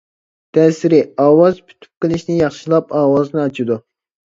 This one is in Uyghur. تەسىرى: ئاۋاز پۈتۈپ قېلىشنى ياخشىلاپ، ئاۋازنى ئاچىدۇ.